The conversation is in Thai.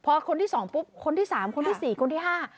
พอคนที่สองปุ๊บคนที่สามคนที่สี่คนที่ห้า